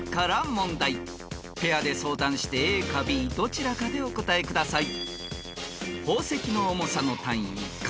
［ペアで相談してＡかＢどちらかでお答えください］